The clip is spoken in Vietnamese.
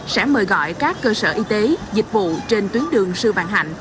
sẽ mời gọi các cơ sở y tế dịch vụ trên tuyến đường sư bàn hạnh